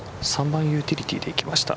３番ユーティリティーでいきました。